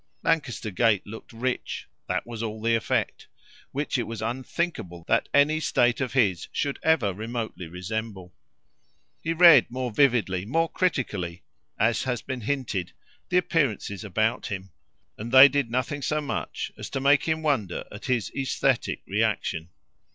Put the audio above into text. Lancaster Gate looked rich that was all the effect; which it was unthinkable that any state of his own should ever remotely resemble. He read more vividly, more critically, as has been hinted, the appearances about him; and they did nothing so much as make him wonder at his aesthetic reaction.